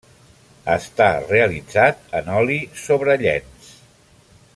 Està realitzat en oli sobre llenç.